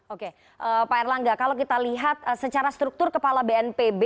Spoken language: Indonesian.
oke pak erlangga kalau kita lihat secara struktur kepala bnpb